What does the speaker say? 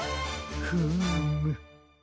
フーム。